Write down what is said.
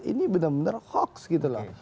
ini benar benar hoax gitu loh